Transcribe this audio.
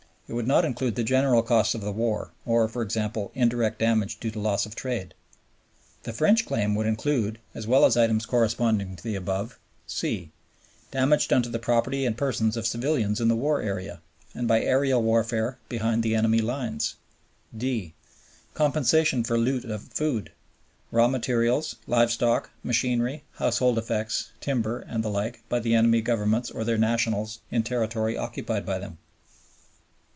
It would not include the general costs of the war, or (e.g.) indirect damage due to loss of trade. The French claim would include, as well as items corresponding to the above: (c) Damage done to the property and persons of civilians in the war area, and by aerial warfare behind the enemy lines. (d) Compensation for loot of food, raw materials, live stock, machinery, household effects, timber, and the like by the enemy Governments or their nationals in territory occupied by them.